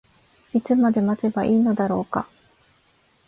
いつまで待てばいいのだろうか。